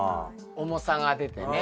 重さが出てね。